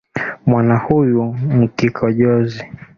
Mwana huyu n'kikojozi